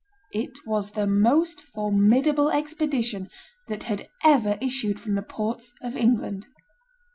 It was the most formidable expedition that had ever issued from the ports of England.